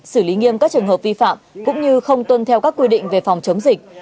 xử lý nghiêm các trường hợp vi phạm cũng như không tuân theo các quy định về phòng chống dịch